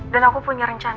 dan aku punya rencana no